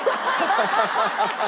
ハハハハ！